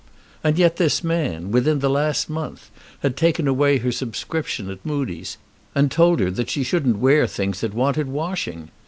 And yet this man, within the last month, had taken away her subscription at Mudie's, and told her that she shouldn't wear things that wanted washing!